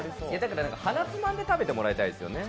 鼻つまんで食べてもらいたいですね。